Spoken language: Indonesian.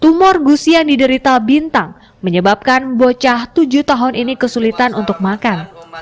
tumor gusian di derita bintang menyebabkan bocah tujuh tahun ini kesulitan untuk makan